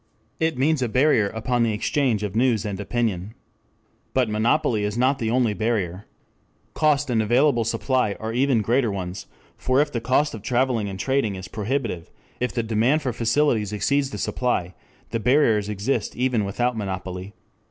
It means a barrier upon the exchange of news and opinion. But monopoly is not the only barrier. Cost and available supply are even greater ones, for if the cost of travelling or trading is prohibitive, if the demand for facilities exceeds the supply, the barriers exist even without monopoly.